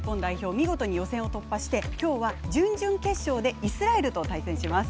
見事に予選を突破してきょうは準々決勝でイスラエルと対戦します。